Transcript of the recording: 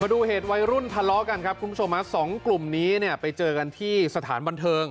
ดูเหตุวัยรุ่นทะเลาะกันครับคุณผู้ชมฮะสองกลุ่มนี้เนี่ยไปเจอกันที่สถานบันเทิง